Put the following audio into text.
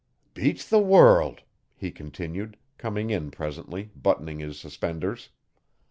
'Beats the world!' he continued, coming in presently, buttoning his suspenders.